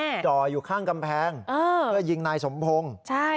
หรือมาด่ออยู่ข้างกำแพงเพื่อยิงนายสมพงศ์